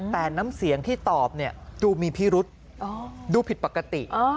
แต่น้ำเสียงที่ตอบเนี่ยดูมีพิรุษดูผิดปกติ